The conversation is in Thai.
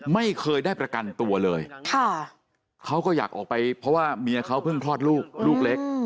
ไม่เคยได้ประกันตัวเลยเขาก็อยากออกไปเพราะว่าเมียเขาเพิ่งคลอดลูกลูกเล็ก